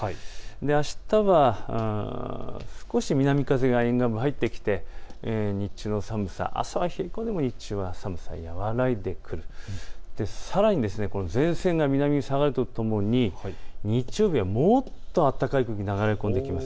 あしたは少し南風が沿岸部に入ってきて日中の寒さ、朝は冷え込んでも寒さ和らいでくる、さらに前線が南に下がるとともに日曜日はもっと温かい空気が流れ込んできます。